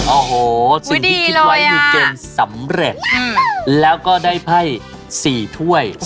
โอ้โหสิ่งที่คิดไว้คือเกมสำเร็จแล้วก็ได้ไพ่๔ถ้วย